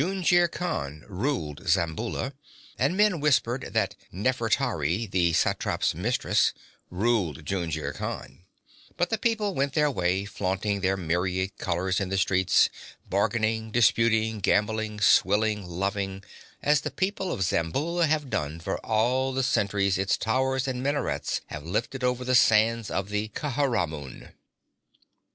Jungir Khan ruled Zamboula, and men whispered that Nafertari, the satrap's mistress, ruled Jungir Khan; but the people went their way, flaunting their myriad colors in the streets, bargaining, disputing, gambling, swilling, loving, as the people of Zamboula have done for all the centuries its towers and minarets have lifted over the sands of the Kharamun.